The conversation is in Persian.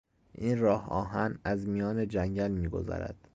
این راهآهن از میان جنگل میگذرد.